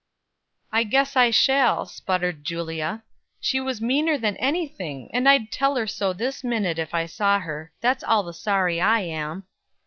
"I guess I shall," sputtered Julia. "She was meaner than any thing, and I'd tell her so this minute, if I saw her; that's all the sorry I am."